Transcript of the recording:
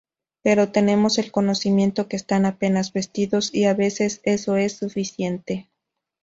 Pero tenemos el conocimiento que están apenas vestidos, y a veces, eso es suficiente.